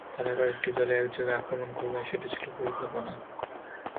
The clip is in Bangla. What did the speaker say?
তারা কয়েকটি দলে একযোগে আক্রমণ করবেন সেটি ছিল পরিকল্পনা।